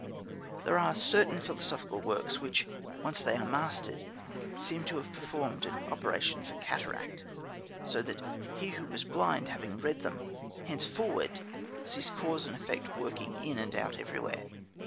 There are certain philosophical works which, once they are mastered, seem to have performed an operation for cataract, so that he who was blind, having read them, henceforward sees cause and effect working in and out everywhere.